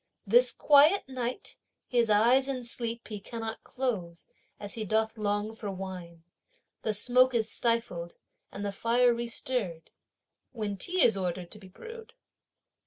This quiet night his eyes in sleep he cannot close, as he doth long for wine. The smoke is stifled, and the fire restirred, when tea is ordered to be brewed.